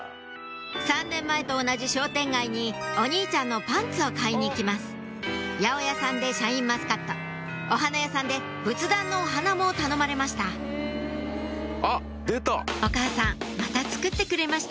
３年前と同じ商店街にお兄ちゃんのパンツを買いに行きます八百屋さんでシャインマスカットお花屋さんで仏壇のお花も頼まれましたお母さんまた作ってくれました